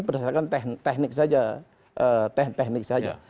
berdasarkan teknik saja